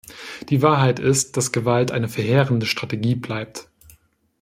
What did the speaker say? Die Wahrheit ist, dass Gewalt eine verheerende Strategie bleibt.